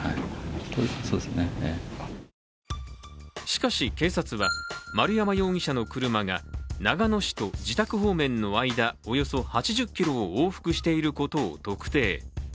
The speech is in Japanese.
しかし警察は、丸山容疑者の車が長野市と自宅方面の間、およそ８０ｋｍを往復していることを特定。